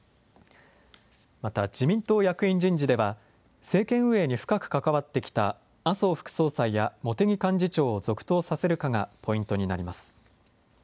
また自民党役員人事では政権運営に深く関わってきた麻生副総裁や茂木幹事長を続投させるかがポイントになります。